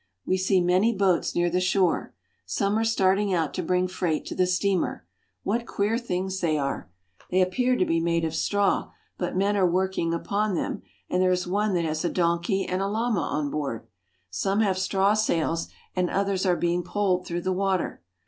We see many boats near the shore. Some are starting out to bring freight to the steamer. What queer things they are ! They appear to be made of straw, but men are working upon them, and there is one that has a donkey and a llama on board. Some have straw sails, and others are being poled through the water.